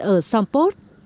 ở sông pốt